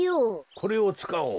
これをつかおう。